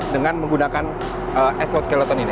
dengan menggunakan exoskeleton ini